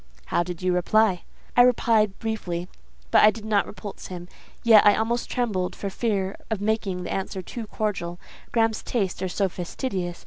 "How did you reply?" "I replied briefly, but I did not repulse him. Yet I almost trembled for fear of making the answer too cordial: Graham's tastes are so fastidious.